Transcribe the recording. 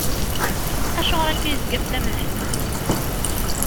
Acuɣer akka yezga fell-am leḥzen?